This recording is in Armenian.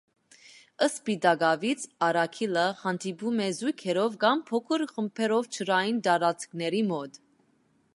Սպիտակավիզ արագիլը հանդիպում է զույգերով կամ փոքր խմբերով ջրային տարածքների մոտ։